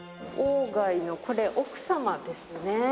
外のこれ奥様ですね。